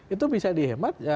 itu bisa dihemat